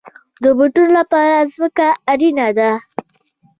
د بوټو لپاره ځمکه اړین ده